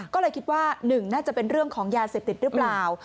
ก็เลยคิดว่า๑น่าจะเป็นเรื่องของยาเสพติดหรือเปล่า